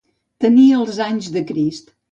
Tenir els anys de Crist.